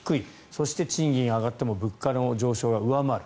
そして、賃金が上がっても物価の上昇が上回る。